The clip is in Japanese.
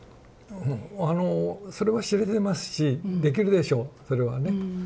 あのそれは知れてますしできるでしょうそれはね。